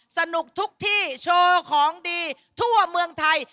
สนุกทุกที่โชว์ของดีทั่วเมืองไทย